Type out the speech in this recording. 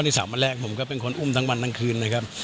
ที่๓วันแรกผมก็เป็นคนอุ้มทั้งวันทั้งคืนเลยครับ